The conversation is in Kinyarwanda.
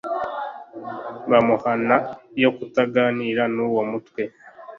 bamuhana yo kutaganira n'uwo mutwa.